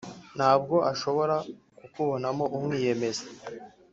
nabwo ashobora kukubonamo umwiyemezi